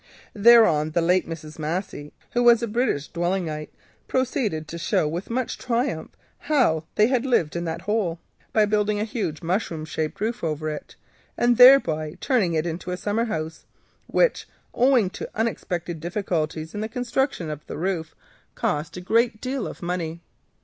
Thereon the late Mrs. Massey, who was a British dwellingite, proceeded to show with much triumph how they had lived in the hole by building a huge mushroom shaped roof over it, and thereby turning it into a summer house, which, owing to unexpected difficulties in the construction of the roof, cost a great deal of money.